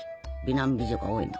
美男美女が多いの。